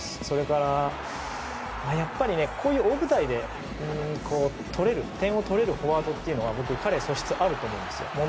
それから、やっぱりこういう大舞台で点を取れるフォワードは彼は素質があると思うんですよ。